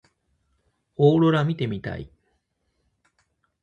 オーロラ見てみたい。